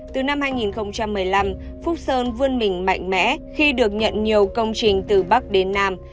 từ năm hai nghìn một mươi năm phúc sơn vươn mình mạnh mẽ khi được nhận nhiều công trình từ bắc đến nam